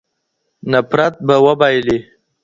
نفرت به وبایلي.